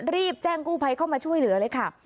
รีบแจ้งกู้ภัยเข้ามาช่วยเหลือเลยค่ะ